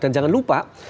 dan jangan lupa